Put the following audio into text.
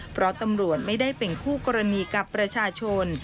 เพราะตำรวจไม่ได้เป็นคู่กรณีกับประชาชน